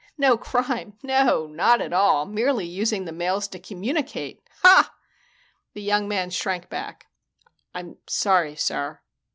"No crime! No, not at all. Merely using the mails to communicate. Ha!" The young man shrank back. "I'm sorry, sir."